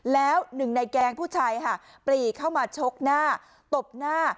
แล้วหนึ่งในแก๊งผู้ชายค่ะปรีเข้ามาชกหน้าตบหน้า